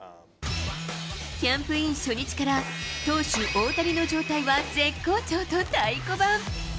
キャンプイン初日から、投手、大谷の状態は絶好調と太鼓判。